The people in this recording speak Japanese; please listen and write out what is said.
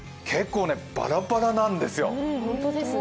結構バラバラなんですよ。